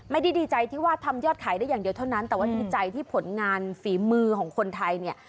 ดีใจที่ว่าทำยอดขายได้อย่างเดียวเท่านั้นแต่ว่าดีใจที่ผลงานฝีมือของคนไทยเนี่ย